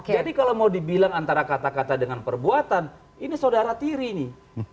kalau mau dibilang antara kata kata dengan perbuatan ini saudara tiri nih